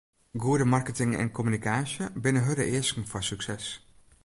Goede marketing en kommunikaasje binne hurde easken foar sukses.